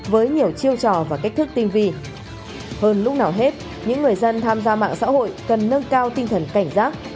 với nhiều chiêu trò và cách thức tinh vi hơn lúc nào hết những người dân tham gia mạng xã hội cần nâng cao tinh thần cảnh giác